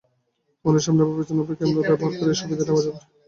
ফোনের সামনের বা পেছনের উভয় ক্যামেরা ব্যবহার করেই এ সুবিধা নেওয়া যাবে।